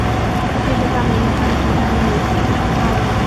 月球上的一个环形山也以他为名。